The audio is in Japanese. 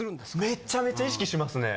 めっちゃめちゃ意識しますね。